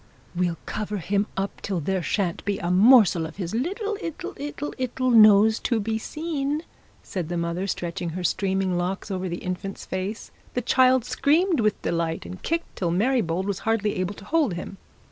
'We'll cover him up till there shan't be a morsel of his little 'ittle, 'ittle, 'ittle nose to be seen,' said the mother, stretching her streaming locks over the infant's face. The child screamed with delight, and kicked till Mary Bold was hardly able to hold him.